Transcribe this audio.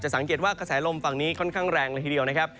สังเกตว่ากระแสลมฝั่งนี้ค่อนข้างแรงเลยทีเดียวนะครับ